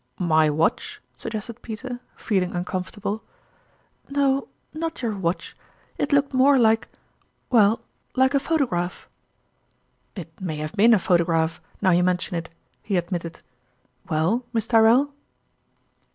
" My watch ?" suggested Peter, feeling un comfortable. " No, not your watch ; it looked more like well, like a photograph." " It may have been a photograph, now you mention it," he admitted. " Well, Miss Tyr rell?"